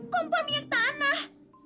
kompor minyak tanah